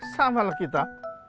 sama lah kita